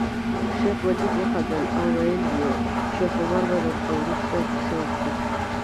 شیخ مجید وخندل او ویل یې شیخ عمر به درته وروسته کیسه وکړي.